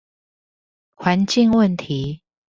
環境問題